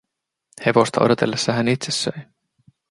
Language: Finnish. Hevosta odotellessa hän itse söi.